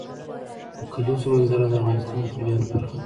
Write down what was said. د کلیزو منظره د افغانستان د طبیعت برخه ده.